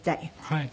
はい。